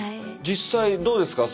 実際どうですか？